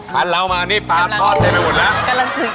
หันเรามานี่ปลาสลิดทอดได้ไปหมดแล้ว